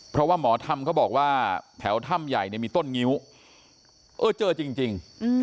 เพราะหมอธรรมก็บอกว่าแถวท่ำใหญ่มีต้นงิ้วเออเจอจริง